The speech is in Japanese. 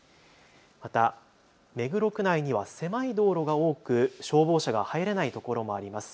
また目黒区内には狭い道路が多く消防車が入れないところもあります。